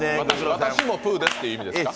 私もぷーですという意味ですか？